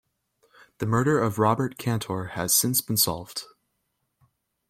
The murder of Robert Cantor has since been solved.